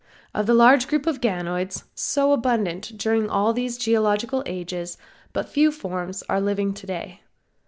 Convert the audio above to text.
Of the large group of Ganoids so abundant during all these geological ages but few forms are living to day.